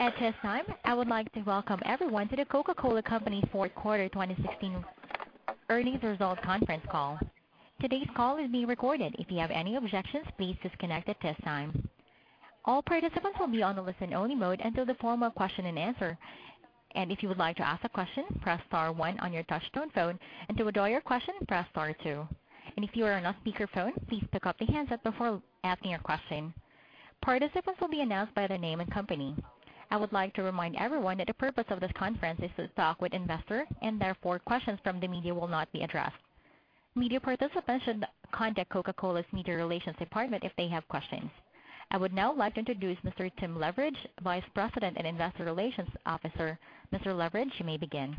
At this time, I would like to welcome everyone to The Coca-Cola Company Fourth Quarter 2016 Earnings Results Conference Call. Today's call is being recorded. If you have any objections, please disconnect at this time. All participants will be on a listen-only mode until the formal question and answer. If you would like to ask a question, press star one on your touch-tone phone. To withdraw your question, press star two. If you are on a speakerphone, please pick up the handset before asking your question. Participants will be announced by their name and company. I would like to remind everyone that the purpose of this conference is to talk with investors. Therefore, questions from the media will not be addressed. Media participants should contact Coca-Cola's media relations department if they have questions. I would now like to introduce Mr. Tim Leveridge, Vice President and Investor Relations Officer. Mr. Leveridge, you may begin.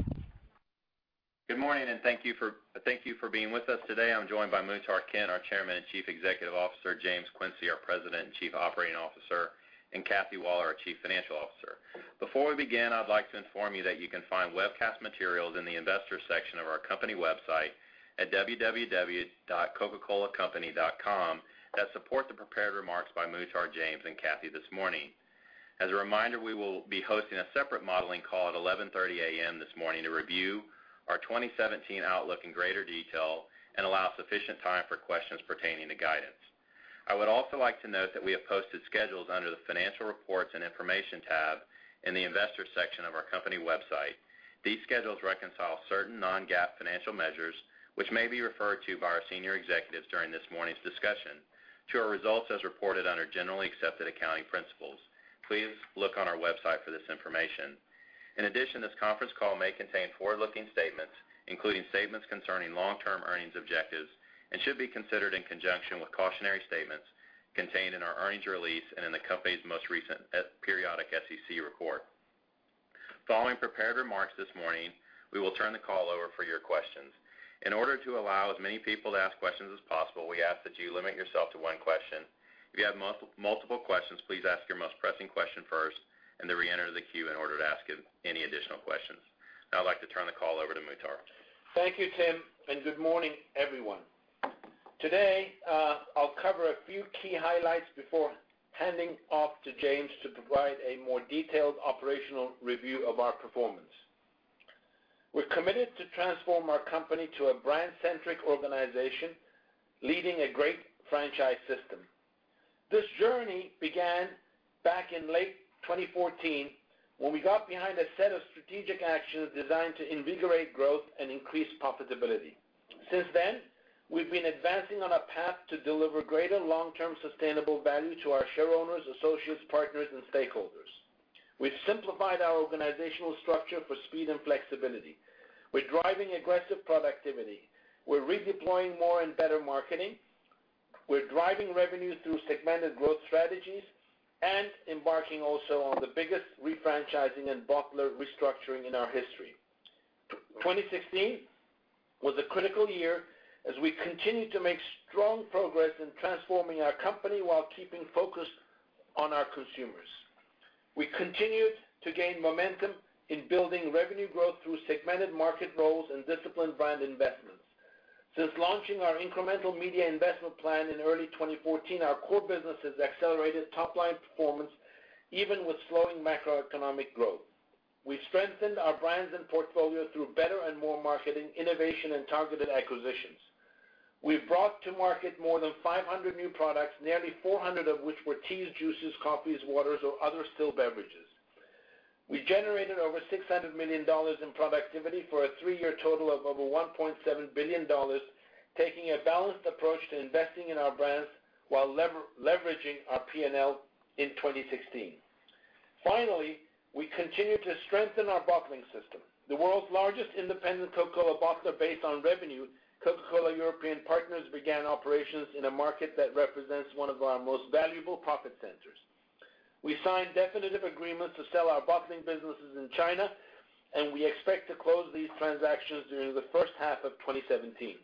Good morning. Thank you for being with us today. I'm joined by Muhtar Kent, our Chairman and Chief Executive Officer, James Quincey, our President and Chief Operating Officer, and Kathy Waller, our Chief Financial Officer. Before we begin, I'd like to inform you that you can find webcast materials in the investors section of our company website at www.cocacolacompany.com that support the prepared remarks by Muhtar, James, and Kathy this morning. As a reminder, we will be hosting a separate modeling call at 11:30 A.M. this morning to review our 2017 outlook in greater detail and allow sufficient time for questions pertaining to guidance. I would also like to note that we have posted schedules under the financial reports and information tab in the investors section of our company website. These schedules reconcile certain non-GAAP financial measures, which may be referred to by our senior executives during this morning's discussion to our results as reported under generally accepted accounting principles. Please look on our website for this information. In addition, this conference call may contain forward-looking statements, including statements concerning long-term earnings objectives and should be considered in conjunction with cautionary statements contained in our earnings release and in the company's most recent periodic SEC report. Following prepared remarks this morning, we will turn the call over for your questions. In order to allow as many people to ask questions as possible, we ask that you limit yourself to one question. If you have multiple questions, please ask your most pressing question first. Then reenter the queue in order to ask any additional questions. Now I'd like to turn the call over to Muhtar. Thank you, Tim, and good morning, everyone. Today, I'll cover a few key highlights before handing off to James to provide a more detailed operational review of our performance. We're committed to transform our company to a brand-centric organization, leading a great franchise system. This journey began back in late 2014 when we got behind a set of strategic actions designed to invigorate growth and increase profitability. Since then, we've been advancing on a path to deliver greater long-term sustainable value to our share owners, associates, partners, and stakeholders. We've simplified our organizational structure for speed and flexibility. We're driving aggressive productivity. We're redeploying more and better marketing. We're driving revenue through segmented growth strategies and embarking also on the biggest refranchising and bottler restructuring in our history. 2016 was a critical year as we continued to make strong progress in transforming our company while keeping focused on our consumers. We continued to gain momentum in building revenue growth through segmented market roles and disciplined brand investments. Since launching our incremental media investment plan in early 2014, our core business has accelerated top-line performance even with slowing macroeconomic growth. We strengthened our brands and portfolio through better and more marketing, innovation, and targeted acquisitions. We've brought to market more than 500 new products, nearly 400 of which were teas, juices, coffees, waters, or other still beverages. We generated over $600 million in productivity for a three-year total of over $1.7 billion, taking a balanced approach to investing in our brands while leveraging our P&L in 2016. Finally, we continued to strengthen our bottling system. The world's largest independent Coca-Cola bottler based on revenue, Coca-Cola European Partners began operations in a market that represents one of our most valuable profit centers. We signed definitive agreements to sell our bottling businesses in China. We expect to close these transactions during the first half of 2017.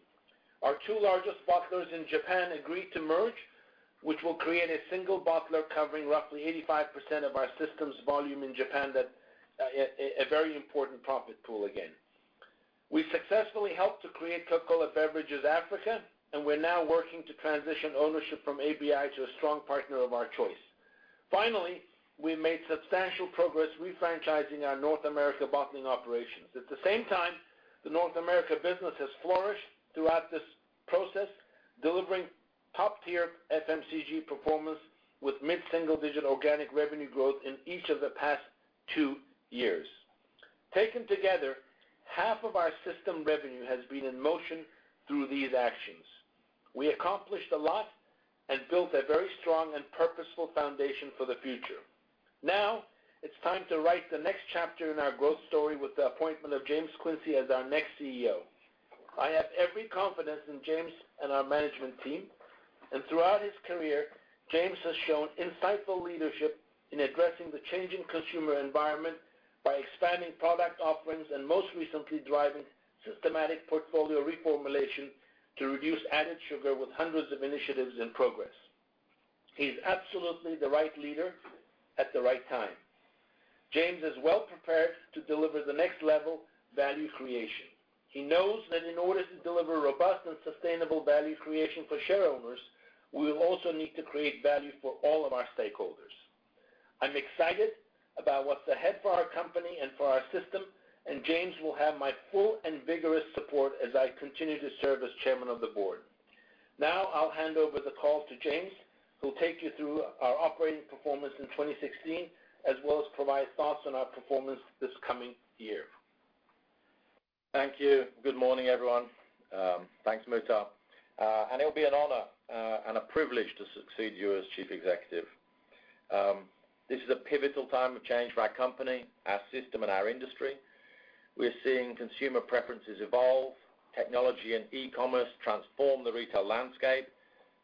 Our two largest bottlers in Japan agreed to merge, which will create a single bottler covering roughly 85% of our system's volume in Japan, that a very important profit pool again. We successfully helped to create Coca-Cola Beverages Africa. We're now working to transition ownership from ABI to a strong partner of our choice. Finally, we made substantial progress refranchising our North America bottling operations. At the same time, the North America business has flourished throughout this process, delivering top-tier FMCG performance with mid-single-digit organic revenue growth in each of the past two years. Taken together, half of our system revenue has been in motion through these actions. We accomplished a lot and built a very strong and purposeful foundation for the future. Now, it's time to write the next chapter in our growth story with the appointment of James Quincey as our next CEO. I have every confidence in James and our management team. Throughout his career, James has shown insightful leadership in addressing the changing consumer environment by expanding product offerings and most recently driving systematic portfolio reformulation to reduce added sugar with hundreds of initiatives in progress. He's absolutely the right leader at the right time. James is well prepared to deliver the next level of value creation. He knows that in order to deliver robust and sustainable value creation for shareowners, we will also need to create value for all of our stakeholders. I'm excited about what's ahead for our company and for our system. James will have my full and vigorous support as I continue to serve as chairman of the board. I'll hand over the call to James, who will take you through our operating performance in 2016, as well as provide thoughts on our performance this coming year. Thank you. Good morning, everyone. Thanks, Muhtar. It will be an honor and a privilege to succeed you as Chief Executive. This is a pivotal time of change for our company, our system, and our industry. We're seeing consumer preferences evolve, technology and e-commerce transform the retail landscape,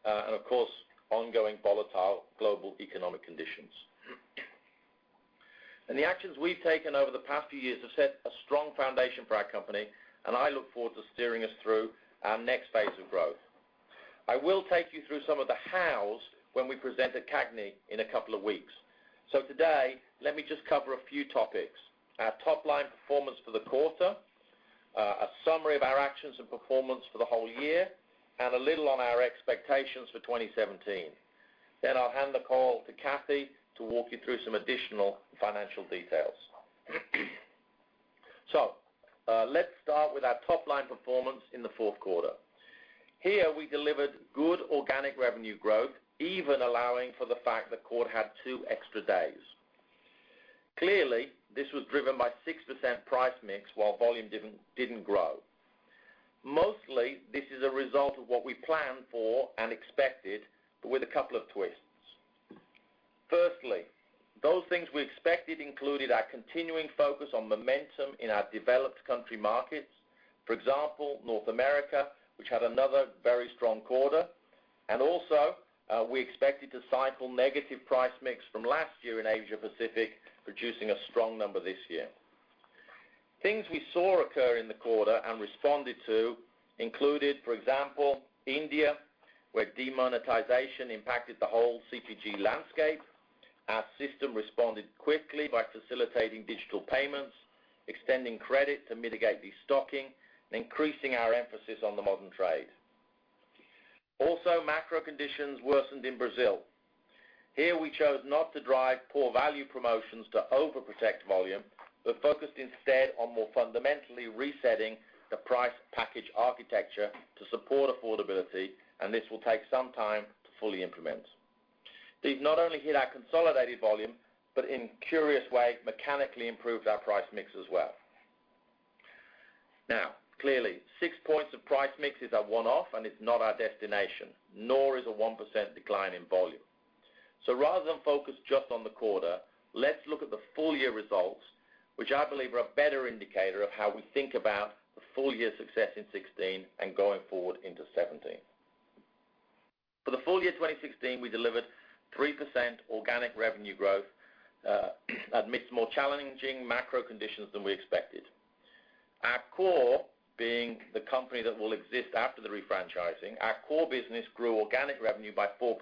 and of course, ongoing volatile global economic conditions. The actions we've taken over the past few years have set a strong foundation for our company, and I look forward to steering us through our next phase of growth. I will take you through some of the hows when we present at CAGNY in a couple of weeks. Today, let me just cover a few topics. Our top-line performance for the quarter, a summary of our actions and performance for the whole year, and a little on our expectations for 2017. I'll hand the call to Kathy to walk you through some additional financial details. Let's start with our top-line performance in the fourth quarter. Here, we delivered good organic revenue growth, even allowing for the fact that Q4 had two extra days. Clearly, this was driven by 6% price mix while volume didn't grow. Mostly, this is a result of what we planned for and expected, but with a couple of twists. Firstly, those things we expected included our continuing focus on momentum in our developed country markets. For example, North America, which had another very strong quarter. Also, we expected to cycle negative price mix from last year in Asia Pacific, producing a strong number this year. Things we saw occur in the quarter and responded to included, for example, India, where demonetization impacted the whole CPG landscape. Our system responded quickly by facilitating digital payments, extending credit to mitigate de-stocking, and increasing our emphasis on the modern trade. Macro conditions worsened in Brazil. Here, we chose not to drive poor value promotions to overprotect volume, but focused instead on more fundamentally resetting the price package architecture to support affordability, this will take some time to fully implement. These not only hit our consolidated volume, but in curious ways, mechanically improved our price mix as well. Clearly, six points of price mix is a one-off, and it's not our destination, nor is a 1% decline in volume. Rather than focus just on the quarter, let's look at the full-year results, which I believe are a better indicator of how we think about the full-year success in 2016 and going forward into 2017. For the full year 2016, we delivered 3% organic revenue growth amidst more challenging macro conditions than we expected. Our core, being the company that will exist after the refranchising, our core business grew organic revenue by 4%,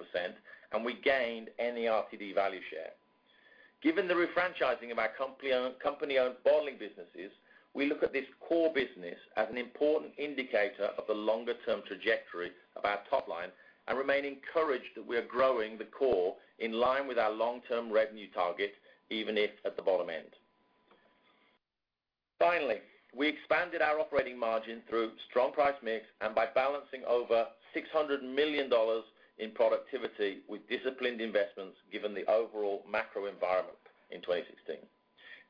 and we gained NRTD value share. Given the refranchising of our company-owned bottling businesses, we look at this core business as an important indicator of the longer-term trajectory of our top line and remain encouraged that we are growing the core in line with our long-term revenue target, even if at the bottom end. Finally, we expanded our operating margin through strong price mix and by balancing over $600 million in productivity with disciplined investments given the overall macro environment in 2016.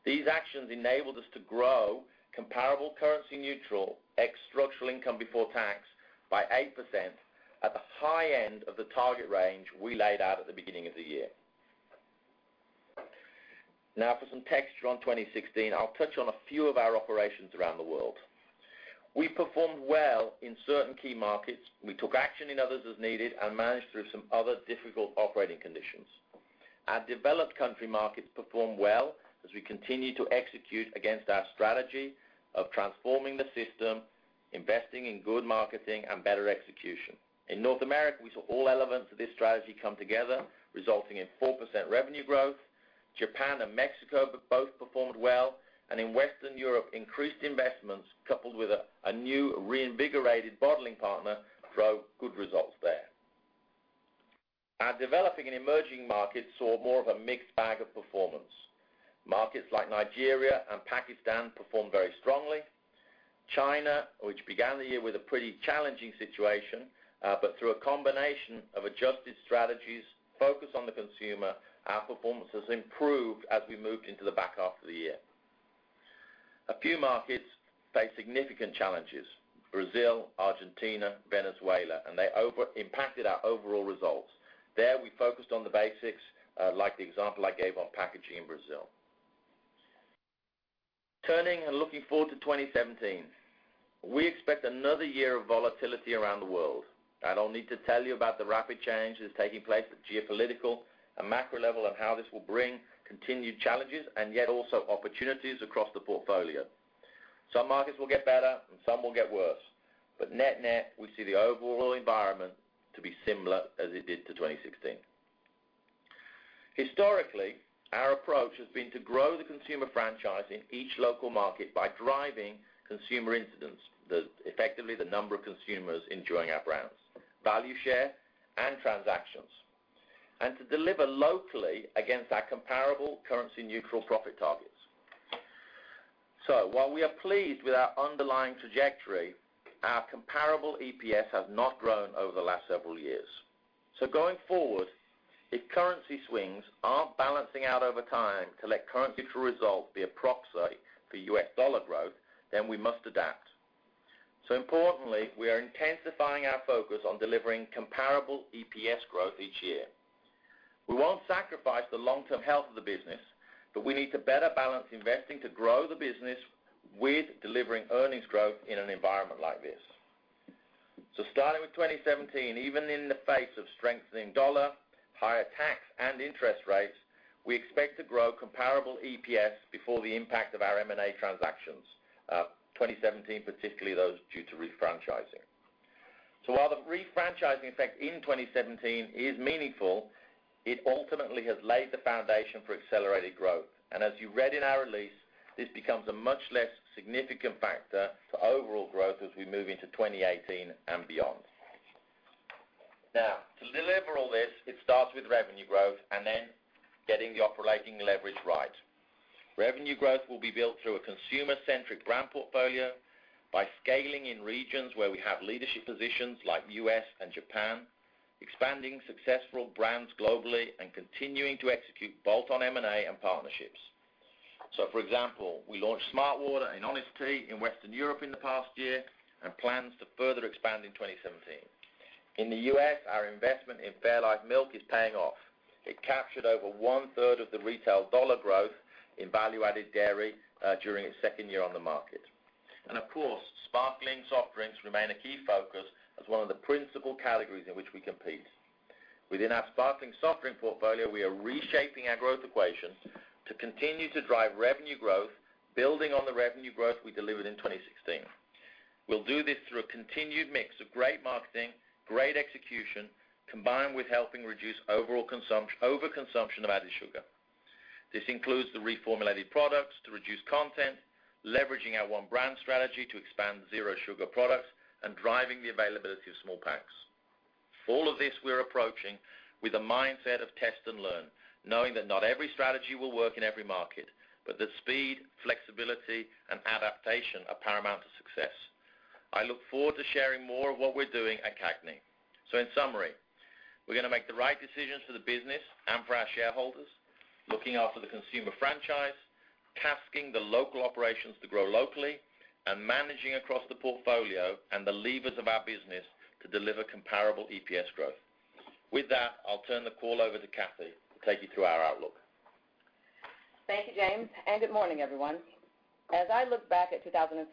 These actions enabled us to grow comparable currency neutral ex structural income before tax by 8% at the high end of the target range we laid out at the beginning of the year. For some texture on 2016. I'll touch on a few of our operations around the world. We performed well in certain key markets. We took action in others as needed and managed through some other difficult operating conditions. Our developed country markets performed well as we continued to execute against our strategy of transforming the system, investing in good marketing, and better execution. In North America, we saw all elements of this strategy come together, resulting in 4% revenue growth. Japan and Mexico both performed well. In Western Europe, increased investments coupled with a new reinvigorated bottling partner drove good results there. Our developing and emerging markets saw more of a mixed bag of performance. Markets like Nigeria and Pakistan performed very strongly. China, which began the year with a pretty challenging situation, through a combination of adjusted strategies, focus on the consumer, our performance has improved as we moved into the back half of the year. A few markets faced significant challenges. Brazil, Argentina, Venezuela, they impacted our overall results. There, we focused on the basics, like the example I gave on packaging in Brazil. Turning and looking forward to 2017. We expect another year of volatility around the world. I don't need to tell you about the rapid change that is taking place at geopolitical and macro level and how this will bring continued challenges and yet also opportunities across the portfolio. Some markets will get better and some will get worse, net-net, we see the overall environment to be similar as it did to 2016. Historically, our approach has been to grow the consumer franchise in each local market by driving consumer incidents, effectively the number of consumers enjoying our brands, value share, and transactions, to deliver locally against our comparable currency neutral profit targets. While we are pleased with our underlying trajectory, our comparable EPS has not grown over the last several years. Going forward, if currency swings aren't balancing out over time to let currency true resolve the proxy for U.S. dollar growth, then we must adapt. Importantly, we are intensifying our focus on delivering comparable EPS growth each year. We won't sacrifice the long-term health of the business, we need to better balance investing to grow the business with delivering earnings growth in an environment like this. Starting with 2017, even in the face of strengthening U.S. dollar, higher tax, and interest rates, we expect to grow comparable EPS before the impact of our M&A transactions, 2017, particularly those due to refranchising. While the refranchising effect in 2017 is meaningful, it ultimately has laid the foundation for accelerated growth. As you read in our release, this becomes a much less significant factor to overall growth as we move into 2018 and beyond. To deliver all this, it starts with revenue growth and then getting the operating leverage right. Revenue growth will be built through a consumer-centric brand portfolio by scaling in regions where we have leadership positions like U.S. and Japan, expanding successful brands globally and continuing to execute bolt-on M&A and partnerships. For example, we launched smartwater and Honest Tea in Western Europe in the past year and plans to further expand in 2017. In the U.S., our investment in fairlife milk is paying off. It captured over one-third of the retail dollar growth in value-added dairy during its second year on the market. Of course, sparkling soft drinks remain a key focus as one of the principal categories in which we compete. Within our sparkling soft drink portfolio, we are reshaping our growth equations to continue to drive revenue growth, building on the revenue growth we delivered in 2016. We'll do this through a continued mix of great marketing, great execution, combined with helping reduce overconsumption of added sugar. This includes the reformulated products to reduce content, leveraging our One Brand strategy to expand zero sugar products, and driving the availability of small packs. All of this we are approaching with a mindset of test and learn, knowing that not every strategy will work in every market, but that speed, flexibility, and adaptation are paramount to success. I look forward to sharing more of what we're doing at CAGNY. In summary, we're going to make the right decisions for the business and for our shareholders, looking after the consumer franchise, tasking the local operations to grow locally, and managing across the portfolio and the levers of our business to deliver comparable EPS growth. With that, I'll turn the call over to Kathy to take you through our outlook. Thank you, James, and good morning, everyone. As I look back at 2016,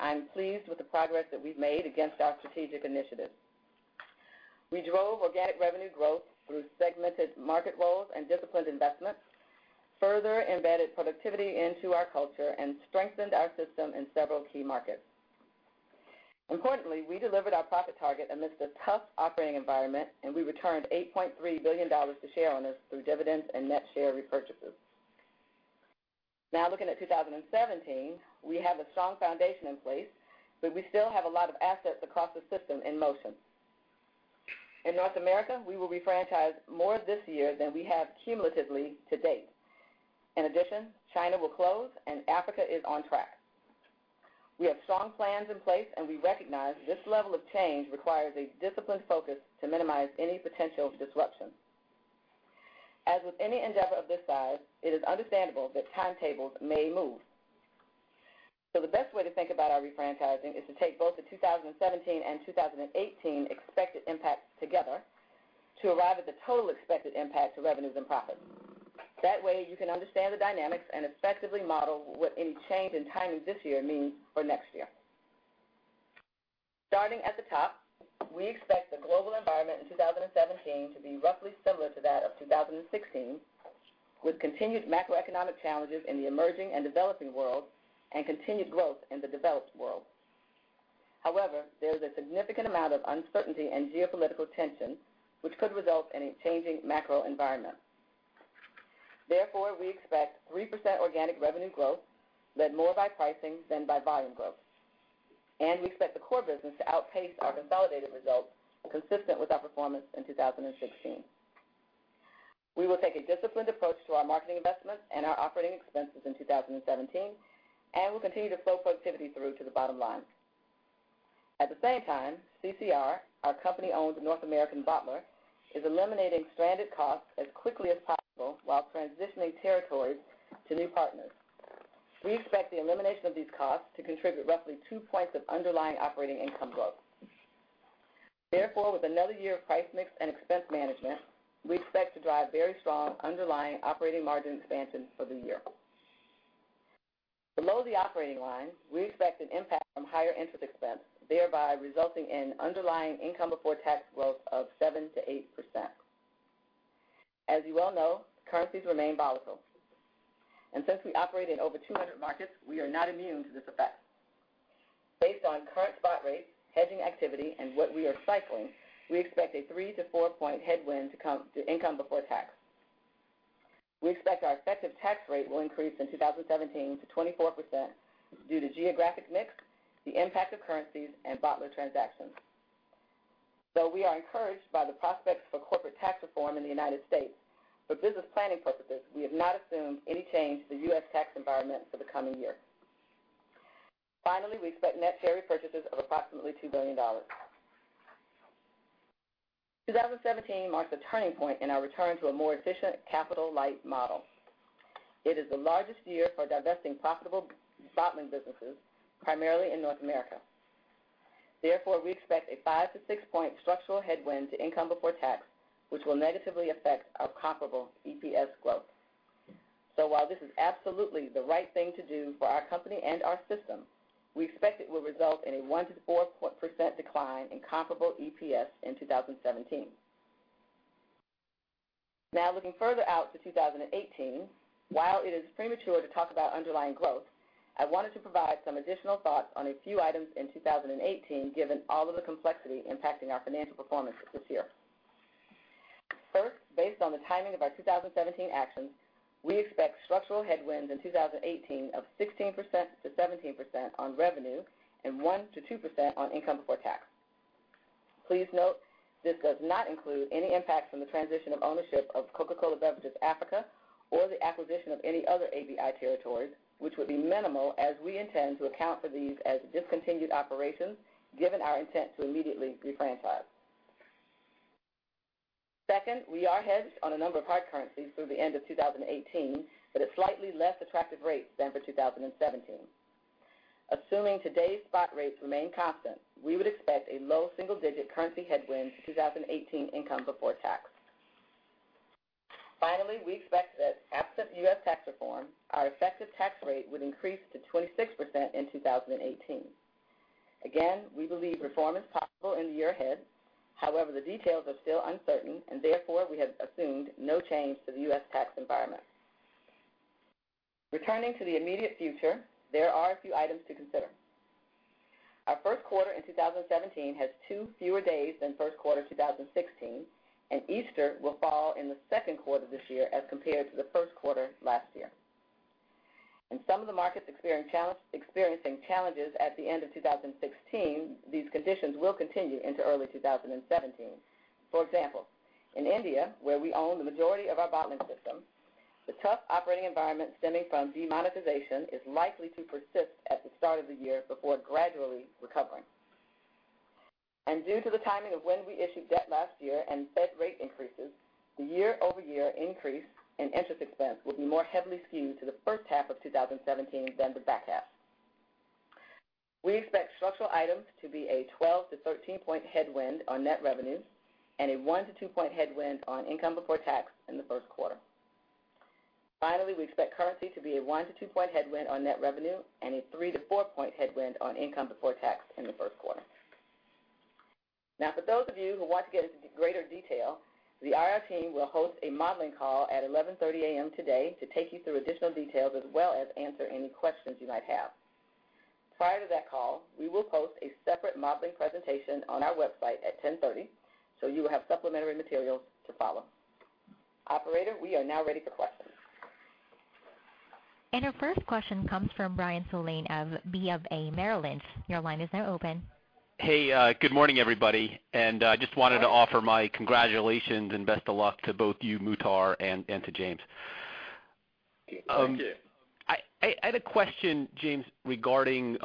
I'm pleased with the progress that we've made against our strategic initiatives. We drove organic revenue growth through segmented market roles and disciplined investments, further embedded productivity into our culture, and strengthened our system in several key markets. Importantly, we delivered our profit target amidst a tough operating environment, and we returned $8.3 billion to shareholders through dividends and net share repurchases. Looking at 2017, we have a strong foundation in place, but we still have a lot of assets across the system in motion. In North America, we will refranchise more this year than we have cumulatively to date. In addition, China will close and Africa is on track. We have strong plans in place, and we recognize this level of change requires a disciplined focus to minimize any potential disruption. As with any endeavor of this size, it is understandable that timetables may move. The best way to think about our refranchising is to take both the 2017 and 2018 expected impacts together to arrive at the total expected impact to revenues and profits. That way, you can understand the dynamics and effectively model what any change in timings this year means for next year. Starting at the top, we expect the global environment in 2017 to be roughly similar to that of 2016, with continued macroeconomic challenges in the emerging and developing world and continued growth in the developed world. However, there is a significant amount of uncertainty and geopolitical tension, which could result in a changing macro environment. We expect 3% organic revenue growth led more by pricing than by volume growth. We expect the core business to outpace our consolidated results, consistent with our performance in 2016. We will take a disciplined approach to our marketing investments and our operating expenses in 2017, and we'll continue to flow productivity through to the bottom line. At the same time, CCR, our company-owned North American bottler, is eliminating stranded costs as quickly as possible while transitioning territories to new partners. We expect the elimination of these costs to contribute roughly two points of underlying operating income growth. With another year of price mix and expense management, we expect to drive very strong underlying operating margin expansion for the year. Below the operating line, we expect an impact from higher interest expense, thereby resulting in underlying income before tax growth of 7%-8%. As you well know, currencies remain volatile. Since we operate in over 200 markets, we are not immune to this effect. Based on current spot rates, hedging activity, and what we are cycling, we expect a three to four point headwind to income before tax. We expect our effective tax rate will increase in 2017 to 24% due to geographic mix, the impact of currencies, and bottler transactions. We are encouraged by the prospects for corporate tax reform in the United States, but business planning purposes, we have not assumed any change to the U.S. tax environment for the coming year. Finally, we expect net share repurchases of approximately $2 billion. 2017 marks a turning point in our return to a more efficient capital-light model. It is the largest year for divesting profitable bottling businesses, primarily in North America. We expect a five to six point structural headwind to income before tax, which will negatively affect our comparable EPS growth. While this is absolutely the right thing to do for our company and our system, we expect it will result in a 1%-4% decline in comparable EPS in 2017. Looking further out to 2018, while it is premature to talk about underlying growth, I wanted to provide some additional thoughts on a few items in 2018, given all of the complexity impacting our financial performance this year. First, based on the timing of our 2017 actions, we expect structural headwinds in 2018 of 16%-17% on revenue and 1%-2% on income before tax. Please note this does not include any impact from the transition of ownership of Coca-Cola Beverages Africa or the acquisition of any other ABI territories, which would be minimal as we intend to account for these as discontinued operations, given our intent to immediately refranchise. Second, we are hedged on a number of hard currencies through the end of 2018 at a slightly less attractive rate than for 2017. Assuming today's spot rates remain constant, we would expect a low single-digit currency headwind to 2018 income before tax. We expect that absent U.S. tax reform, our effective tax rate would increase to 26% in 2018. Again, we believe reform is possible in the year ahead. However, the details are still uncertain and therefore we have assumed no change to the U.S. tax environment. Returning to the immediate future, there are a few items to consider. Our first quarter in 2017 has two fewer days than first quarter 2016, and Easter will fall in the second quarter this year as compared to the first quarter last year. In some of the markets experiencing challenges at the end of 2016, these conditions will continue into early 2017. For example, in India, where we own the majority of our bottling system, the tough operating environment stemming from demonetization is likely to persist at the start of the year before gradually recovering. Due to the timing of when we issued debt last year and Fed rate increases, the year-over-year increase in interest expense will be more heavily skewed to the first half of 2017 than the back half. We expect structural items to be a 12-13 point headwind on net revenue and a 1-2 point headwind on income before tax in the first quarter. We expect currency to be a 1-2 point headwind on net revenue and a 3-4 point headwind on income before tax in the first quarter. Now, for those of you who want to get into greater detail, the IR team will host a modeling call at 11:30 A.M. today to take you through additional details, as well as answer any questions you might have. Prior to that call, we will post a separate modeling presentation on our website at 10:30 A.M., so you will have supplementary materials to follow. Operator, we are now ready for questions. Our first question comes from Bryan Spillane of BofA Merrill Lynch. Your line is now open. Good morning, everybody. I just wanted to offer my congratulations and best of luck to both you, Muhtar, and to James. Thank you. I had a question, James, regarding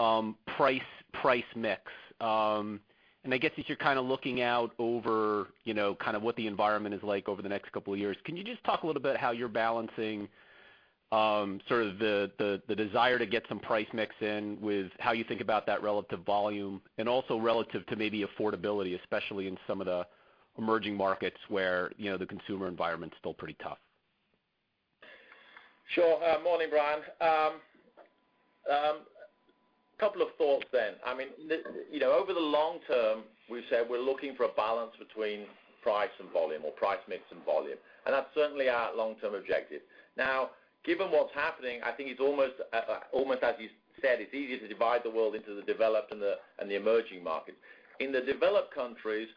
price mix. I guess as you're kind of looking out over what the environment is like over the next couple of years, can you just talk a little bit how you're balancing sort of the desire to get some price mix in with how you think about that relative volume and also relative to maybe affordability, especially in some of the emerging markets where the consumer environment's still pretty tough? Sure. Morning, Bryan. Couple of thoughts. Over the long term, we've said we're looking for a balance between price and volume or price mix and volume, that's certainly our long-term objective. Now, given what's happening, I think it's almost as you said, it's easier to divide the world into the developed and the emerging markets. In the developed countries,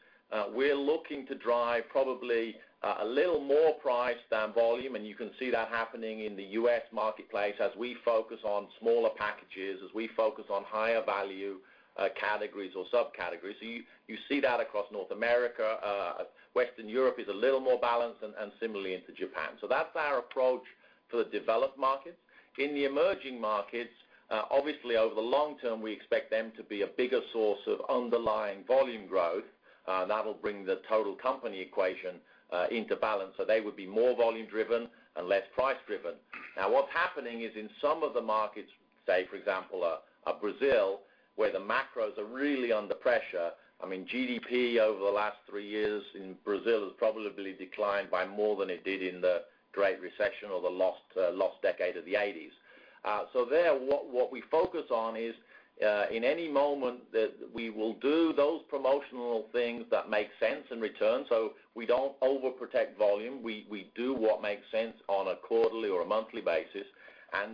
we're looking to drive probably a little more price than volume, and you can see that happening in the U.S. marketplace as we focus on smaller packages, as we focus on higher value categories or subcategories. You see that across North America. Western Europe is a little more balanced and similarly into Japan. That's our approach to the developed markets. In the emerging markets, obviously over the long term, we expect them to be a bigger source of underlying volume growth. That will bring the total company equation into balance. They would be more volume driven and less price driven. What's happening is in some of the markets, say for example, Brazil, where the macros are really under pressure. GDP over the last three years in Brazil has probably declined by more than it did in the Great Recession or the lost decade of the '80s. There, what we focus on is, in any moment that we will do those promotional things that make sense in return. We don't overprotect volume. We do what makes sense on a quarterly or a monthly basis.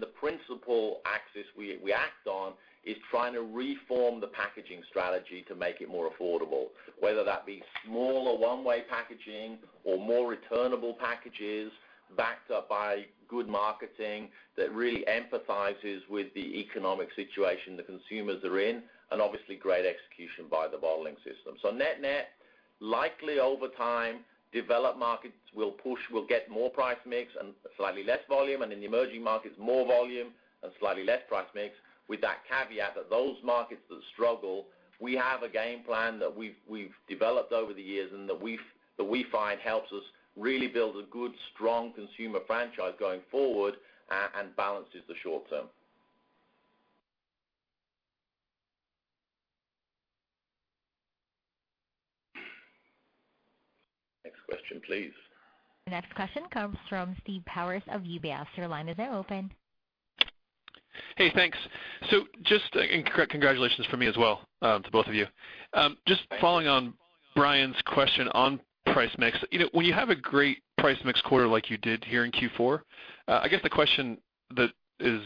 The principle axis we act on is trying to reform the packaging strategy to make it more affordable, whether that be smaller one-way packaging or more returnable packages backed up by good marketing that really empathizes with the economic situation the consumers are in, and obviously great execution by the bottling system. Net-net, likely over time, developed markets will push, will get more price mix and slightly less volume, and in the emerging markets, more volume and slightly less price mix, with that caveat that those markets that struggle, we have a game plan that we've developed over the years and that we find helps us really build a good, strong consumer franchise going forward, and balances the short term. Next question, please. The next question comes from Steve Powers of UBS. Your line is now open. Hey, thanks. Congratulations from me as well, to both of you. Thank you. Just following on Bryan's question on price mix. When you have a great price mix quarter like you did here in Q4, I guess the question that is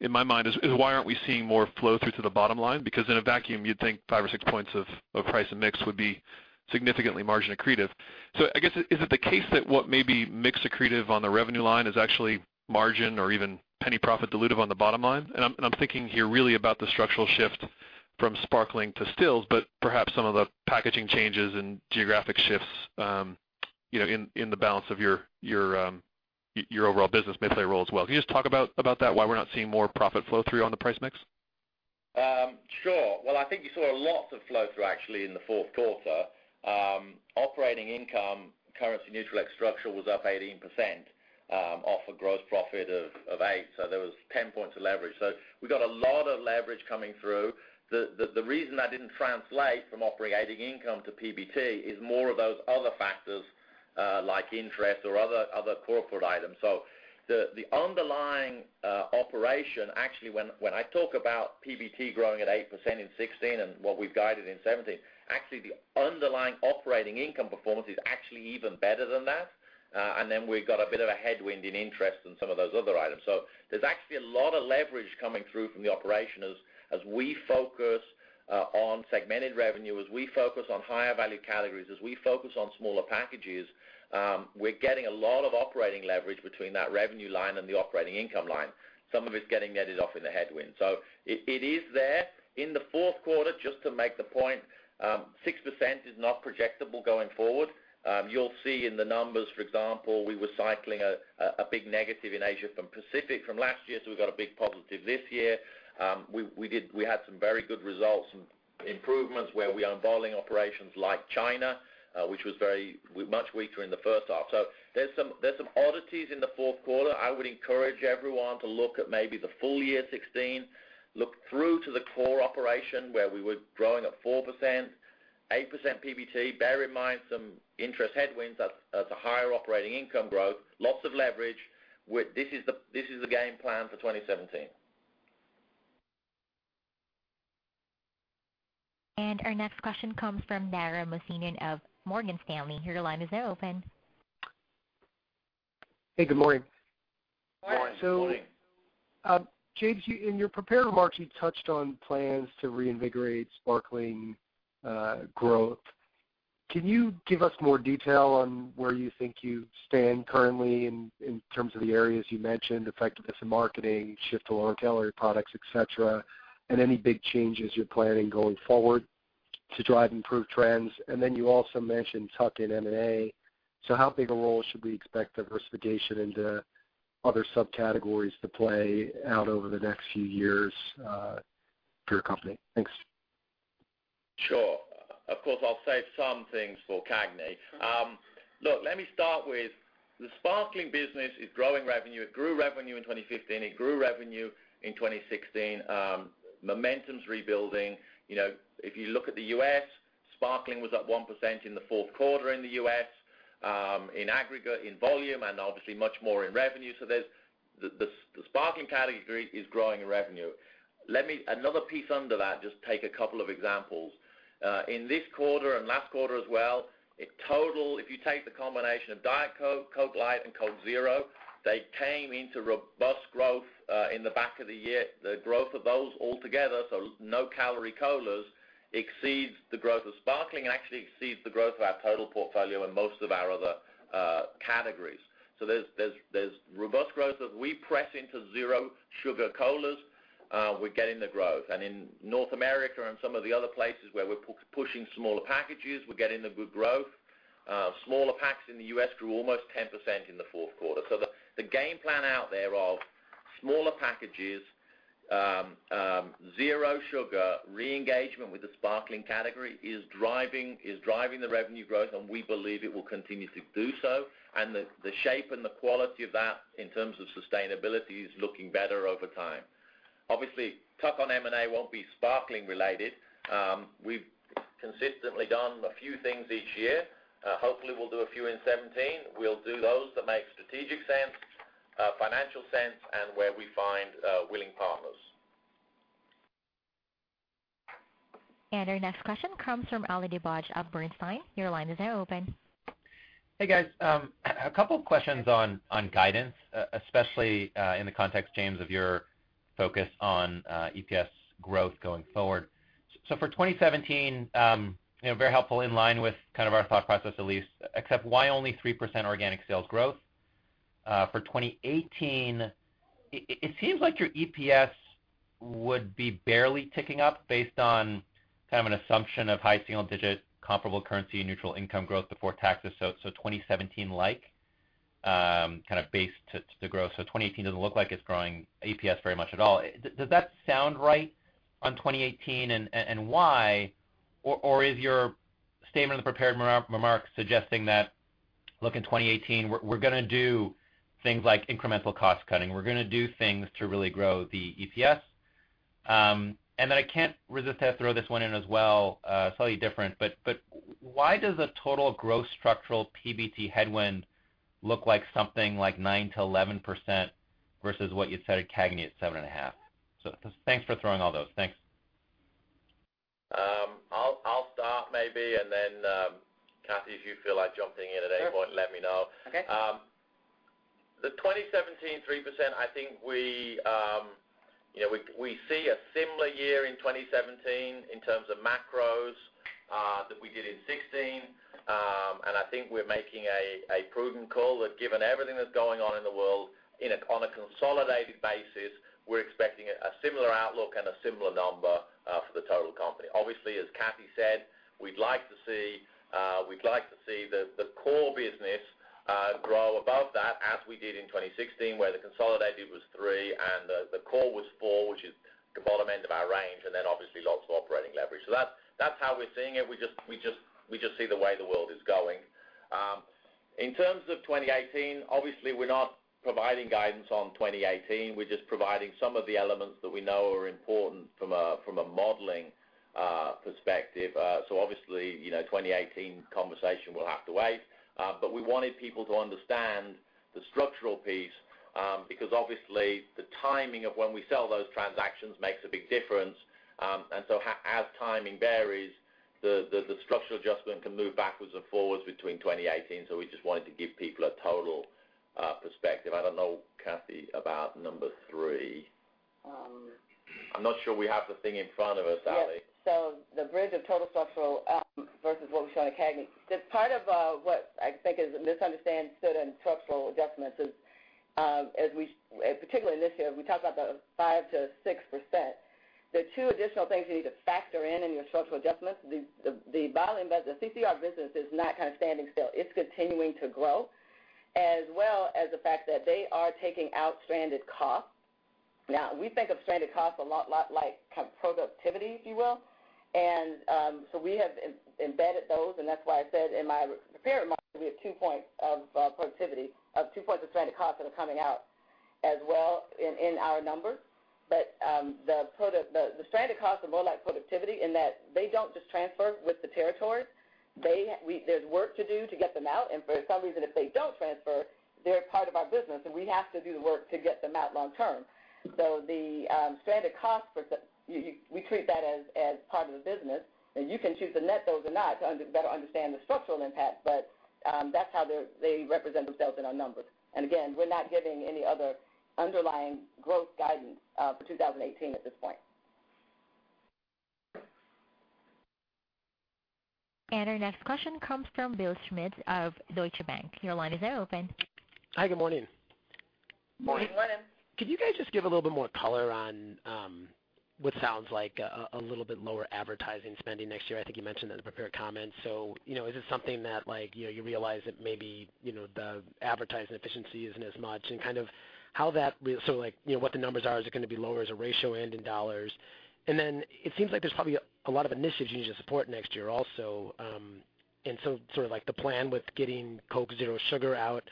in my mind is why aren't we seeing more flow-through to the bottom line? Because in a vacuum, you'd think five or six points of price and mix would be significantly margin accretive. I guess, is it the case that what may be mix accretive on the revenue line is actually margin or even penny profit dilutive on the bottom line? I'm thinking here really about the structural shift from sparkling to stills, but perhaps some of the packaging changes and geographic shifts in the balance of your overall business may play a role as well. Can you just talk about that, why we're not seeing more profit flow-through on the price mix? Sure. Well, I think you saw a lot of flow-through actually in the fourth quarter. Operating income currency neutral structural was up 18% off a gross profit of eight, there was 10 points of leverage. We got a lot of leverage coming through. The reason that didn't translate from operating income to PBT is more of those other factors, like interest or other corporate items. The underlying operation, actually, when I talk about PBT growing at 8% in 2016 and what we've guided in 2017, actually, the underlying operating income performance is actually even better than that. Then we've got a bit of a headwind in interest and some of those other items. There's actually a lot of leverage coming through from the operation as we focus on segmented revenue, as we focus on higher value categories, as we focus on smaller packages. We're getting a lot of operating leverage between that revenue line and the operating income line. Some of it's getting headed off in the headwind. It is there. In the fourth quarter, just to make the point, 6% is not projectable going forward. You'll see in the numbers, for example, we were cycling a big negative in Asia Pacific from last year, we've got a big positive this year. We had some very good results and improvements where we own bottling operations like China, which was much weaker in the first half. There's some oddities in the fourth quarter. I would encourage everyone to look at maybe the full year 2016, look through to the core operation where we were growing at 4%, 8% PBT. Bear in mind some interest headwinds at a higher operating income growth, lots of leverage. This is the game plan for 2017. Our next question comes from Dara Mohsenian of Morgan Stanley. Your line is now open. Hey, good morning. Morning. James, in your prepared remarks, you touched on plans to reinvigorate sparkling growth. Can you give us more detail on where you think you stand currently in terms of the areas you mentioned, effectiveness in marketing, shift to lower-calorie products, et cetera, and any big changes you're planning going forward to drive improved trends? Then you also mentioned tuck-in M&A. How big a role should we expect diversification into other subcategories to play out over the next few years for your company? Thanks. Sure. Of course, I will save some things for CAGNY. Let me start with the sparkling business is growing revenue. It grew revenue in 2015. It grew revenue in 2016. Momentum is rebuilding. If you look at the U.S., sparkling was up 1% in the fourth quarter in the U.S., in aggregate, in volume, and obviously much more in revenue. The sparkling category is growing revenue. Another piece under that, just take a couple of examples. In this quarter and last quarter as well, in total, if you take the combination of Diet Coke, Coca-Cola Light, and Coke Zero, they came into robust growth in the back of the year. The growth of those all together, no-calorie colas, exceeds the growth of sparkling and actually exceeds the growth of our total portfolio in most of our other categories. There is robust growth. As we press into zero-sugar colas, we are getting the growth. In North America and some of the other places where we are pushing smaller packages, we are getting the good growth. Smaller packs in the U.S. grew almost 10% in the fourth quarter. The game plan out there of smaller packages, zero sugar, re-engagement with the sparkling category is driving the revenue growth, and we believe it will continue to do so, and the shape and the quality of that in terms of sustainability is looking better over time. Obviously, tuck on M&A will not be sparkling related. We have consistently done a few things each year. Hopefully, we will do a few in 2017. We will do those that make strategic sense, financial sense, and where we find willing partners. Our next question comes from Ali Dibadj of Bernstein. Your line is now open. Hey, guys. A couple questions on guidance, especially in the context, James, of your focus on EPS growth going forward. For 2017, very helpful, in line with kind of our thought process at least, except why only 3% organic sales growth? For 2018, it seems like your EPS would be barely ticking up based on kind of an assumption of high single-digit comparable currency, neutral income growth before taxes. 2017-like kind of base to the growth. 2018 does not look like it is growing EPS very much at all. Does that sound right on 2018, and why? Is your statement in the prepared remarks suggesting that, in 2018, we are going to do things like incremental cost-cutting. We are going to do things to really grow the EPS. I can't resist to throw this one in as well, slightly different, but why does a total gross structural PBT headwind look like something like 9%-11% versus what you'd said at CAGNY at 7.5%? Thanks for throwing all those. Thanks. I'll start maybe. Kathy, if you feel like jumping in at any point, let me know. Okay. The 2017, 3%. I think we see a similar year in 2017 in terms of macros that we did in 2016. I think we're making a prudent call that given everything that's going on in the world on a consolidated basis, we're expecting a similar outlook and a similar number for the total company. Obviously, as Kathy said, we'd like to see the core business grow above that as we did in 2016, where the consolidated was 3% and the core was 4%, which is the bottom end of our range, obviously lots of operating leverage. That's how we're seeing it. We just see the way the world is going. In terms of 2018, obviously, we're not providing guidance on 2018. We're just providing some of the elements that we know are important from a modeling perspective. Obviously, 2018 conversation will have to wait. We wanted people to understand the structural piece because obviously the timing of when we sell those transactions makes a big difference. As timing varies, the structural adjustment can move backwards and forwards between 2018. We just wanted to give people a total perspective. I don't know, Kathy, about number three. I'm not sure we have the thing in front of us, Ali. Yes. The bridge of total structural versus what we show on the CAGNY. Part of what I think is a misunderstood in structural adjustments is, particularly this year, we talked about the 5%-6%. There are two additional things you need to factor in in your structural adjustments. The bottling business, the CCR business is not kind of standing still. It's continuing to grow, as well as the fact that they are taking out stranded costs. We think of stranded costs a lot like productivity, if you will. We have embedded those, and that's why I said in my prepared remarks, we have 2 points of stranded costs that are coming out as well in our numbers. The stranded costs are more like productivity in that they don't just transfer with the territories. There's work to do to get them out, and for some reason, if they don't transfer, they're part of our business, and we have to do the work to get them out long term. The stranded costs, we treat that as part of the business, and you can choose to net those or not to better understand the structural impact, but that's how they represent themselves in our numbers. Again, we're not giving any other underlying growth guidance for 2018 at this point. Our next question comes from Bill Schmitz of Deutsche Bank. Your line is now open. Hi, good morning. Morning. Good morning. Could you guys just give a little bit more color on what sounds like a little bit lower advertising spending next year? I think you mentioned that in the prepared comments. Is this something that you realize that maybe the advertising efficiency isn't as much? Kind of what the numbers are, is it going to be lower as a ratio and in dollars? Then it seems like there's probably a lot of initiatives you need to support next year also. Sort of like the plan with getting Coke Zero Sugar out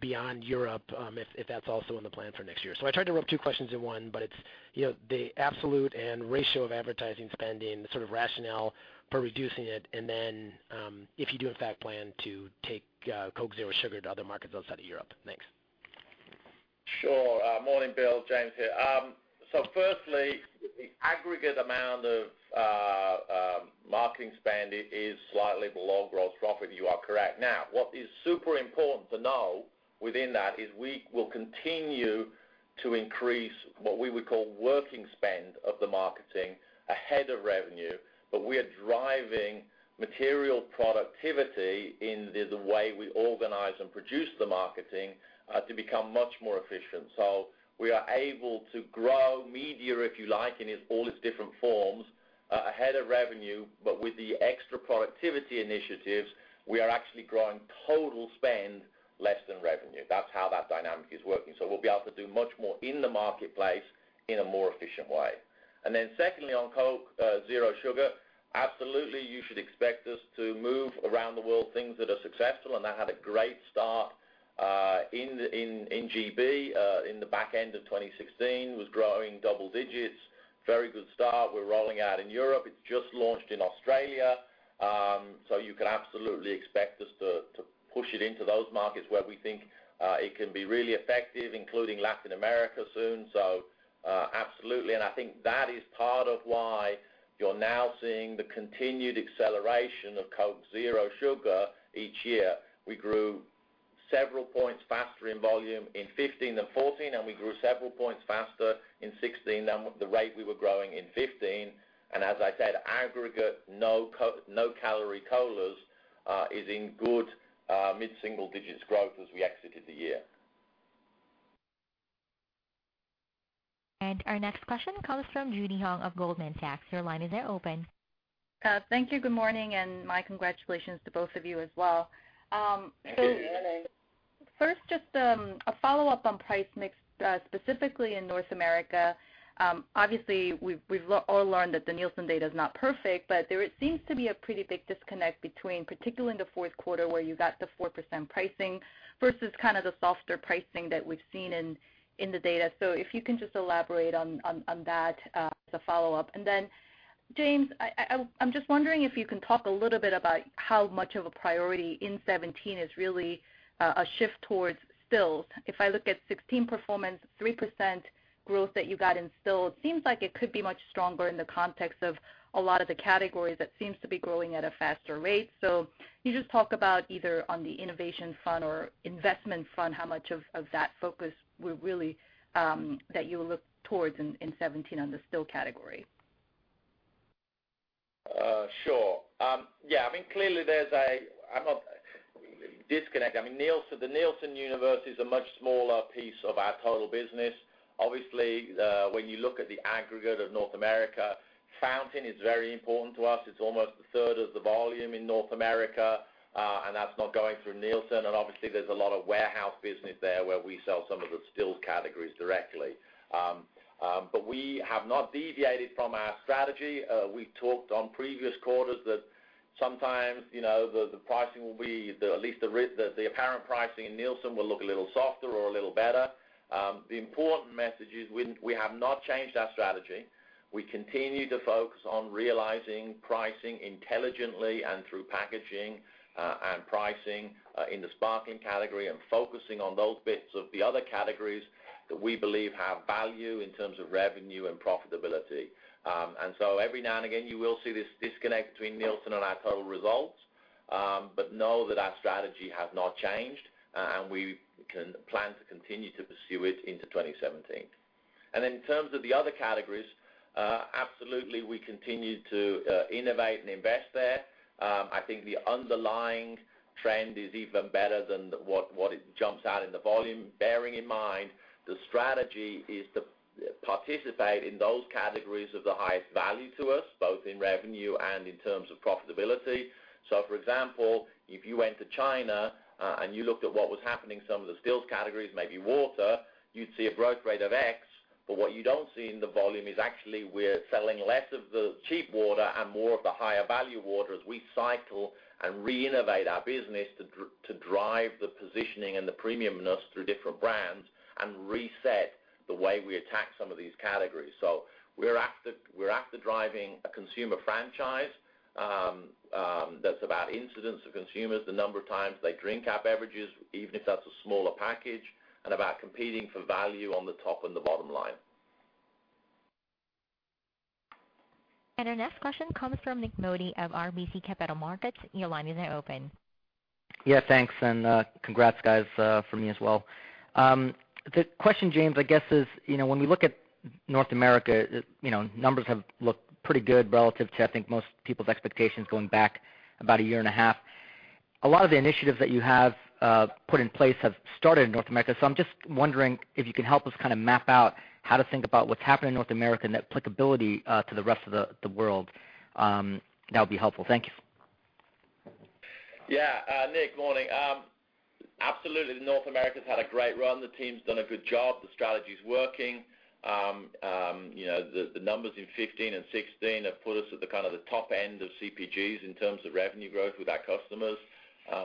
beyond Europe, if that's also in the plan for next year. I tried to lump two questions in one, but it's the absolute and ratio of advertising spending, the sort of rationale for reducing it, and then if you do in fact plan to take Coke Zero Sugar to other markets outside of Europe. Thanks. Sure. Morning, Bill. James here. Firstly, the aggregate amount of marketing spend is slightly below gross profit. You are correct. What is super important to know within that is we will continue to increase what we would call working spend of the marketing ahead of revenue, but we are driving material productivity in the way we organize and produce the marketing to become much more efficient. We are able to grow media, if you like, in all its different forms, ahead of revenue, but with the extra productivity initiatives, we are actually growing total spend less than revenue. That's how that dynamic is working. We'll be able to do much more in the marketplace in a more efficient way. Secondly, on Coca-Cola Zero Sugar, absolutely, you should expect us to move around the world things that are successful, and that had a great start in GB, in the back end of 2016, was growing double digits. Very good start. We're rolling out in Europe. It's just launched in Australia. You can absolutely expect us to push it into those markets where we think it can be really effective, including Latin America soon. Absolutely. I think that is part of why you're now seeing the continued acceleration of Coca-Cola Zero Sugar each year. We grew several points faster in volume in 2015 than 2014, and we grew several points faster in 2016 than the rate we were growing in 2015. As I said, aggregate no-calorie colas are in good mid-single digits growth as we exited the year. Our next question comes from Judy Hong of Goldman Sachs. Your line is now open. Thank you. Good morning, my congratulations to both of you as well. Thank you. Good morning. First, just a follow-up on price mix, specifically in North America. Obviously, we've all learned that the Nielsen data is not perfect, but there seems to be a pretty big disconnect between, particularly in the fourth quarter, where you got the 4% pricing versus kind of the softer pricing that we've seen in the data. If you can just elaborate on that as a follow-up. James, I'm just wondering if you can talk a little bit about how much of a priority in 2017 is really a shift towards stills. If I look at 2016 performance, 3% growth that you got in stills, seems like it could be much stronger in the context of a lot of the categories that seems to be growing at a faster rate. Can you just talk about either on the innovation fund or investment fund, how much of that focus that you'll look towards in 2017 on the still category? Sure. Yeah, clearly there's a disconnect. The Nielsen universe is a much smaller piece of our total business. Obviously, when you look at the aggregate of North America, fountain is very important to us. It's almost a third of the volume in North America, and that's not going through Nielsen. Obviously, there's a lot of warehouse business there where we sell some of the stills categories directly. We have not deviated from our strategy. We talked on previous quarters that sometimes the apparent pricing in Nielsen will look a little softer or a little better. The important message is we have not changed our strategy. We continue to focus on realizing pricing intelligently and through packaging and pricing in the sparking category and focusing on those bits of the other categories that we believe have value in terms of revenue and profitability. Every now and again, you will see this disconnect between Nielsen and our total results. Know that our strategy has not changed, and we can plan to continue to pursue it into 2017. In terms of the other categories, absolutely, we continue to innovate and invest there. I think the underlying trend is even better than what it jumps out in the volume, bearing in mind the strategy is to participate in those categories of the highest value to us, both in revenue and in terms of profitability. For example, if you went to China, and you looked at what was happening, some of the stills categories, maybe water, you'd see a growth rate of X. What you don't see in the volume is actually we're selling less of the cheap water and more of the higher value water as we cycle and reinnovate our business to drive the positioning and the premium-ness through different brands and reset the way we attack some of these categories. We're after driving a consumer franchise that's about incidence of consumers, the number of times they drink our beverages, even if that's a smaller package, and about competing for value on the top and the bottom line. Our next question comes from Nik Modi of RBC Capital Markets. Your line is now open. Yeah, thanks, and congrats guys, from me as well. The question, James, I guess is, when we look at North America, numbers have looked pretty good relative to, I think, most people's expectations going back about a year and a half. A lot of the initiatives that you have put in place have started in North America. I'm just wondering if you can help us kind of map out how to think about what's happened in North America and the applicability to the rest of the world. That would be helpful. Thank you. Yeah. Nik, good morning. Absolutely, North America's had a great run. The team's done a good job. The strategy's working. The numbers in 2015 and 2016 have put us at the top end of CPGs in terms of revenue growth with our customers.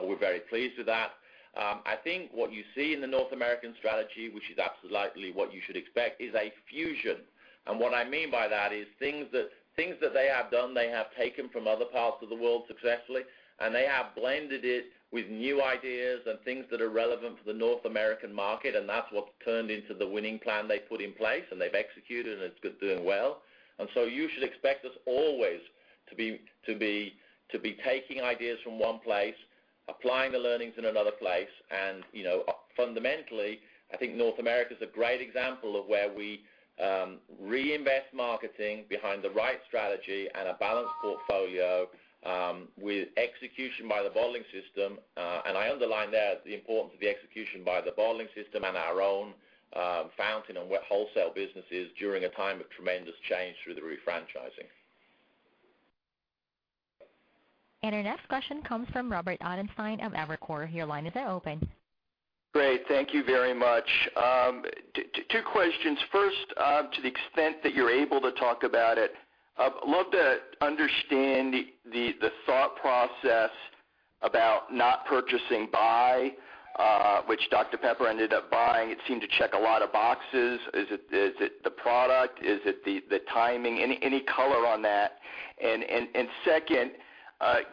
We're very pleased with that. I think what you see in the North American strategy, which is absolutely what you should expect, is a fusion. What I mean by that is things that they have done, they have taken from other parts of the world successfully, and they have blended it with new ideas and things that are relevant for the North American market, and that's what's turned into the winning plan they put in place, and they've executed, and it's doing well. You should expect us always to be taking ideas from one place, applying the learnings in another place, and fundamentally, I think North America's a great example of where we reinvest marketing behind the right strategy and a balanced portfolio with execution by the bottling system. I underline there the importance of the execution by the bottling system and our own fountain and wet wholesale businesses during a time of tremendous change through the refranchising. Our next question comes from Robert Ottenstein of Evercore. Your line is now open. Great. Thank you very much. Two questions. First, to the extent that you're able to talk about it, I would love to understand the thought process about not purchasing Bai, which Dr Pepper ended up buying. It seemed to check a lot of boxes. Is it the product? Is it the timing? Any color on that? Second,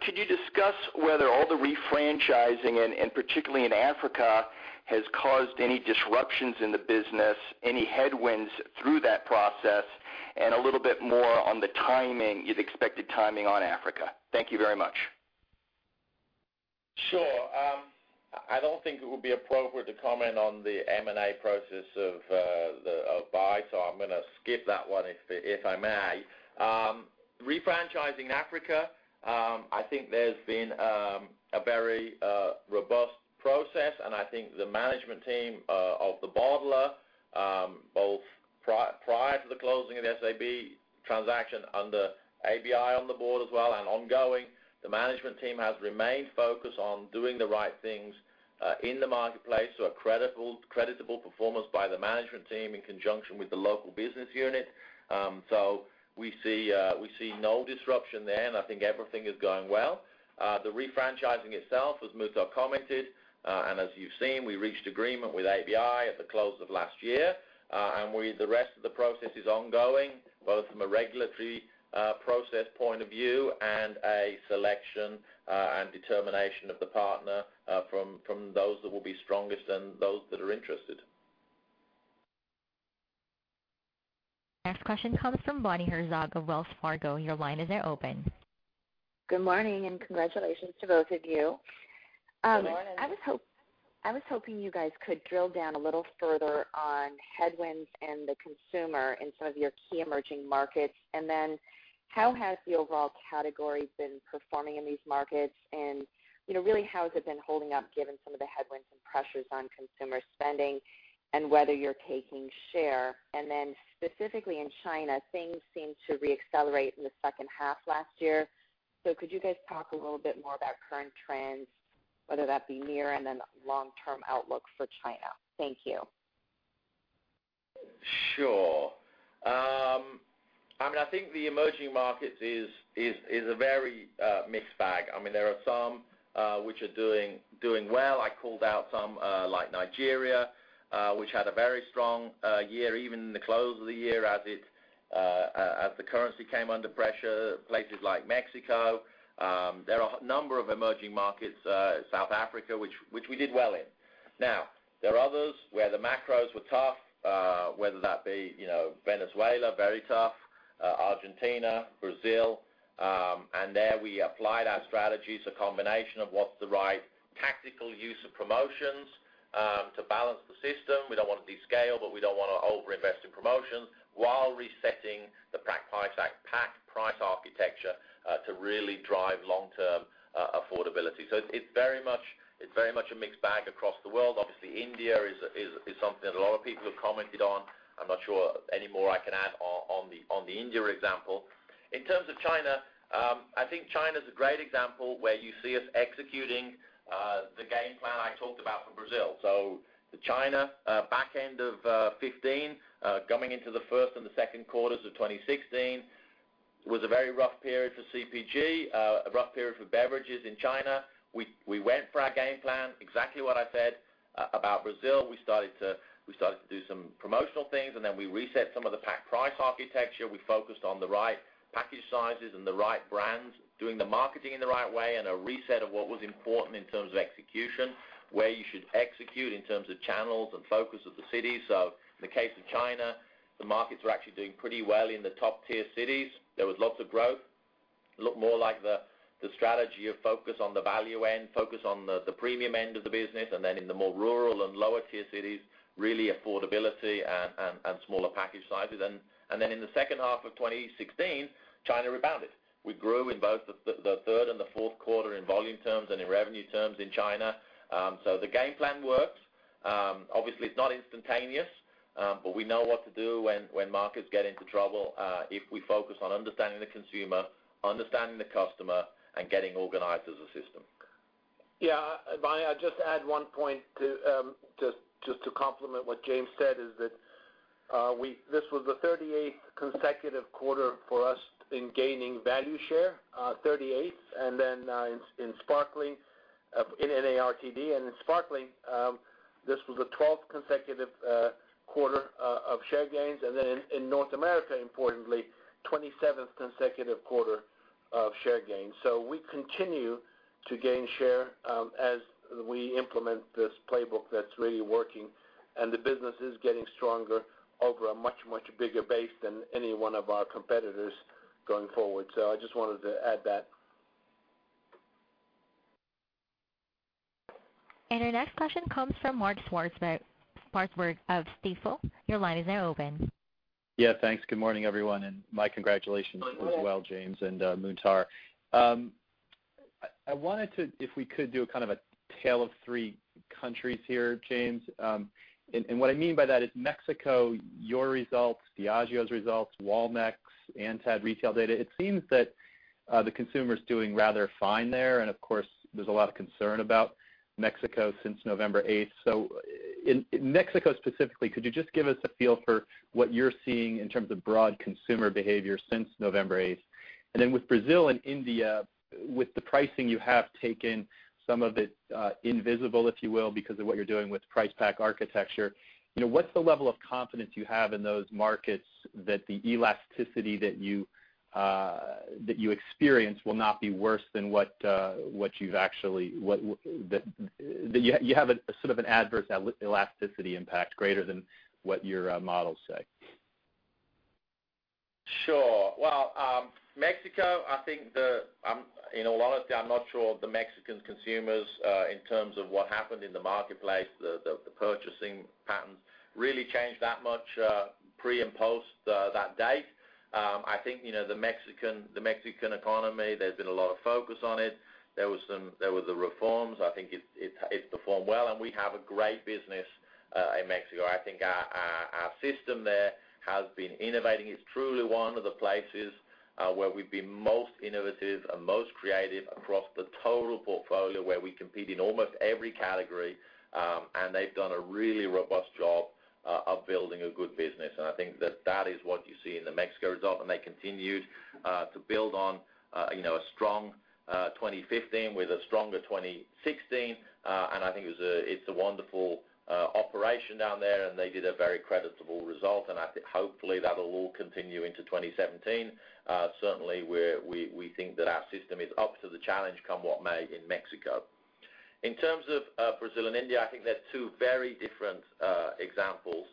could you discuss whether all the refranchising, and particularly in Africa, has caused any disruptions in the business, any headwinds through that process? A little bit more on the expected timing on Africa. Thank you very much. Sure. I don't think it would be appropriate to comment on the M&A process of Bai, I'm going to skip that one, if I may. Refranchising Africa, I think there's been a very robust process, I think the management team of the bottler, both prior to the closing of the SAB transaction under ABI on the board as well, ongoing. The management team has remained focused on doing the right things in the marketplace, a creditable performance by the management team in conjunction with the local business unit. We see no disruption there, I think everything is going well. The refranchising itself, as Muhtar commented, as you've seen, we reached agreement with ABI at the close of last year. The rest of the process is ongoing, both from a regulatory process point of view and a selection and determination of the partner from those that will be strongest and those that are interested. Next question comes from Bonnie Herzog of Wells Fargo. Your line is now open. Good morning, congratulations to both of you. Good morning. I was hoping you guys could drill down a little further on headwinds and the consumer in some of your key emerging markets. How has the overall category been performing in these markets and really how has it been holding up given some of the headwinds and pressures on consumer spending and whether you're taking share? Specifically in China, things seemed to re-accelerate in the second half last year. Could you guys talk a little bit more about current trends, whether that be near and then long-term outlook for China? Thank you. Sure. I think the emerging markets is a very mixed bag. There are some which are doing well. I called out some, like Nigeria, which had a very strong year, even in the close of the year as the currency came under pressure. Places like Mexico. There are a number of emerging markets, South Africa, which we did well in. There are others where the macros were tough, whether that be Venezuela, very tough, Argentina, Brazil. There we applied our strategies, a combination of what's the right tactical use of promotions to balance the system. We don't want to de-scale, but we don't want to over-invest in promotions while resetting the pack price architecture to really drive long-term affordability. It's very much a mixed bag across the world. Obviously, India is something that a lot of people have commented on. I'm not sure any more I can add on the India example. In terms of China, I think China's a great example where you see us executing the game plan I talked about for Brazil. The China back end of 2015, coming into the first and the second quarters of 2016, was a very rough period for CPG, a rough period for beverages in China. We went for our game plan, exactly what I said about Brazil. We started to do some promotional things, and then we reset some of the pack price architecture. We focused on the right package sizes and the right brands, doing the marketing in the right way, and a reset of what was important in terms of execution, where you should execute in terms of channels and focus of the cities. In the case of China, the markets were actually doing pretty well in the top-tier cities. There was lots of growth. Looked more like the strategy of focus on the value end, focus on the premium end of the business, and then in the more rural and lower-tier cities, really affordability and smaller package sizes. In the second half of 2016, China rebounded. We grew in both the third and the fourth quarter in volume terms and in revenue terms in China. The game plan works. Obviously, it's not instantaneous, but we know what to do when markets get into trouble if we focus on understanding the consumer, understanding the customer, and getting organized as a system. Yeah, Bonnie, I'll just add one point just to complement what James said, is that this was the 38th consecutive quarter for us in gaining value share, 38th in NARTD. In sparkling, this was the 12th consecutive quarter of share gains, in North America, importantly, 27th consecutive quarter of share gains. We continue to gain share as we implement this playbook that's really working, and the business is getting stronger over a much, much bigger base than any one of our competitors going forward. I just wanted to add that. Our next question comes from Mark Swartzberg of Stifel. Your line is now open. Yeah, thanks. Good morning, everyone, and my congratulations as well, James and Muhtar. I wanted to, if we could, do a tale of three countries here, James. What I mean by that is Mexico, your results, Diageo's results, Walmex, ANTAD retail data. It seems that the consumer's doing rather fine there. Of course, there's a lot of concern about Mexico since November 8th. In Mexico specifically, could you just give us a feel for what you're seeing in terms of broad consumer behavior since November 8th? With Brazil and India, with the pricing you have taken, some of it invisible, if you will, because of what you're doing with price pack architecture. What's the level of confidence you have in those markets that the elasticity that you experience will not be worse than what you have an adverse elasticity impact greater than what your models say? Sure. Well, Mexico, in all honesty, I'm not sure the Mexican consumers, in terms of what happened in the marketplace, the purchasing patterns really changed that much, pre and post, that date. The Mexican economy, there's been a lot of focus on it. There were the reforms. It's performed well, and we have a great business, in Mexico. Our system there has been innovating. It's truly one of the places where we've been most innovative and most creative across the total portfolio, where we compete in almost every category. They've done a really robust job of building a good business. That is what you see in the Mexico result. They continued to build on a strong 2015 with a stronger 2016. It's a wonderful operation down there, and they did a very creditable result, and hopefully, that'll all continue into 2017. Certainly, we think that our system is up to the challenge, come what may, in Mexico. In terms of Brazil and India, I think they're two very different examples.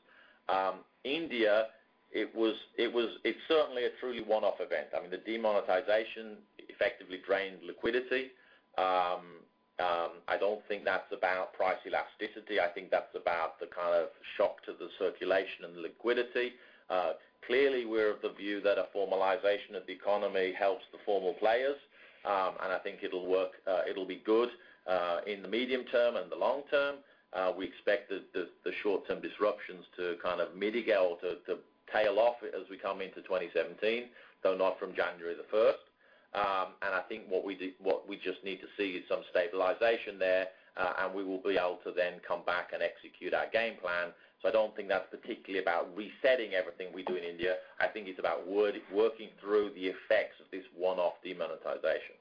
India, it's certainly a truly one-off event. I mean, the demonetization effectively drained liquidity. I don't think that's about price elasticity. I think that's about the shock to the circulation and liquidity. Clearly, we're of the view that a formalization of the economy helps the formal players. It'll work. It'll be good, in the medium term and the long term. We expect the short-term disruptions to mitigate or to tail off as we come into 2017, though not from January the 1st. I think what we just need to see is some stabilization there, we will be able to then come back and execute our game plan. I don't think that's particularly about resetting everything we do in India. I think it's about working through the effects of this one-off demonetization.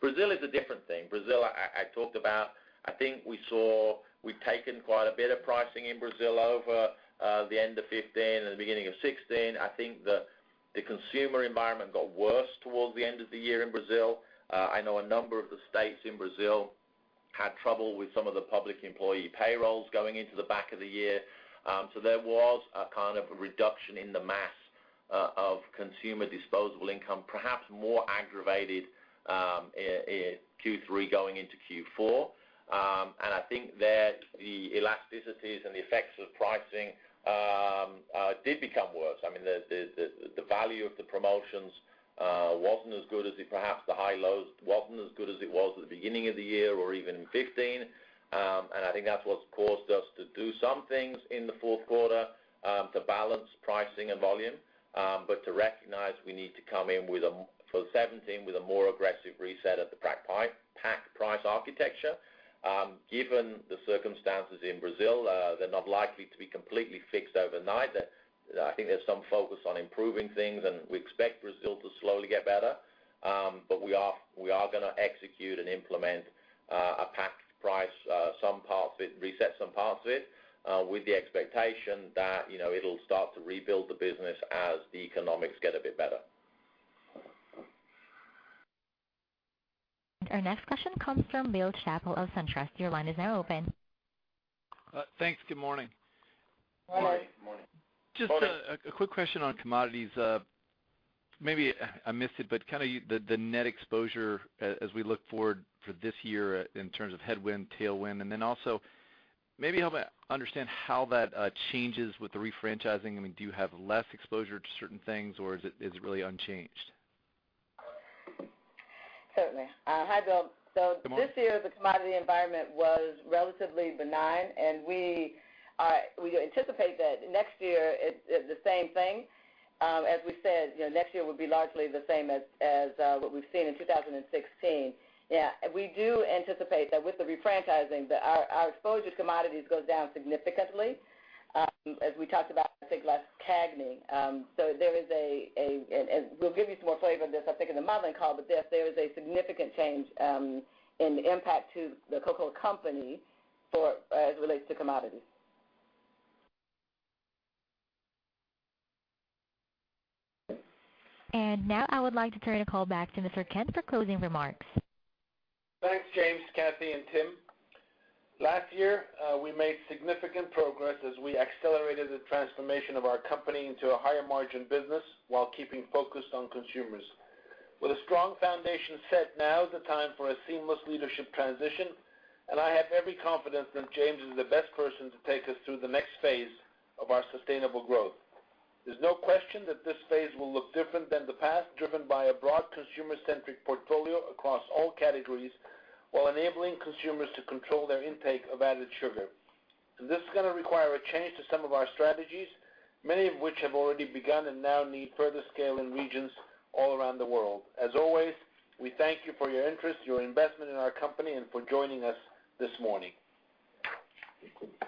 Brazil is a different thing. Brazil, I talked about. I think we saw we've taken quite a bit of pricing in Brazil over the end of 2015 and the beginning of 2016. The consumer environment got worse towards the end of the year in Brazil. I know a number of the states in Brazil had trouble with some of the public employee payrolls going into the back of the year. There was a kind of reduction in the mass of consumer disposable income, perhaps more aggravated in Q3 going into Q4. I think there, the elasticities and the effects of pricing did become worse. I mean, the value of the promotions wasn't as good as perhaps the high lows, wasn't as good as it was at the beginning of the year or even in 2015. I think that's what's caused us to do some things in the fourth quarter, to balance pricing and volume. To recognize we need to come in for 2017 with a more aggressive reset of the pack price architecture. Given the circumstances in Brazil, they're not likely to be completely fixed overnight. I think there's some focus on improving things, we expect Brazil to slowly get better. We are going to execute and implement a pack price, some parts of it, reset some parts of it, with the expectation that it'll start to rebuild the business as the economics get a bit better. Our next question comes from Bill Chappell of SunTrust. Your line is now open. Thanks. Good morning. Good morning. Just a quick question on commodities. Maybe I missed it, but kind of the net exposure as we look forward for this year in terms of headwind, tailwind, then also maybe help understand how that changes with the refranchising. I mean, do you have less exposure to certain things or is it really unchanged? Certainly. Hi, Bill. This year, the commodity environment was relatively benign, we anticipate that next year it's the same thing. As we said, next year will be largely the same as what we've seen in 2016. We do anticipate that with the refranchising, that our exposure to commodities goes down significantly. As we talked about, I think, last CAGNY. We'll give you some more flavor of this, I think, in the modeling call. Yes, there is a significant change in the impact to The Coca-Cola Company as it relates to commodities. Now I would like to turn the call back to Mr. Kent for closing remarks. Thanks, James, Kathy, and Tim. Last year, we made significant progress as we accelerated the transformation of our company into a higher margin business while keeping focused on consumers. With a strong foundation set, now is the time for a seamless leadership transition, and I have every confidence that James is the best person to take us through the next phase of our sustainable growth. There's no question that this phase will look different than the past, driven by a broad consumer-centric portfolio across all categories, while enabling consumers to control their intake of added sugar. This is going to require a change to some of our strategies, many of which have already begun and now need further scale in regions all around the world. As always, we thank you for your interest, your investment in our company, and for joining us this morning.